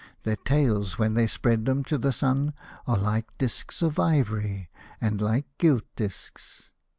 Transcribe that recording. Their tails when they spread them to the sun are like disks of ivory and like gilt disks.